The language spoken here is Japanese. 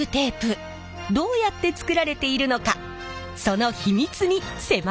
どうやって作られているのかその秘密に迫りましょう！